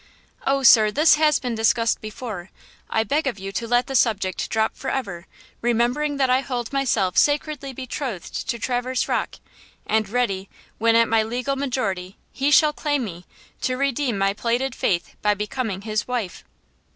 "Oh, sir, this has been discussed before. I beg of you to let the subject drop forever, remembering that I hold myself sacredly betrothed to Traverse Rocke, and ready–when, at my legal majority, he shall claim me–to redeem my plighted faith by becoming his wife."